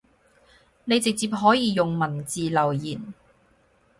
你可以直接用文字留言